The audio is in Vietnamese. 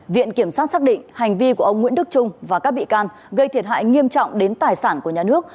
viện kiểm sát xác định hành vi của ông nguyễn đức trung và các bị can gây thiệt hại nghiêm trọng đến tài sản của nhà nước